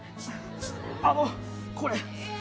あの、これ。